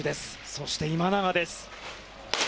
そして今永です。